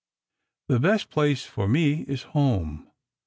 The best place foi* me is home.